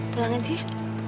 pulang aja ya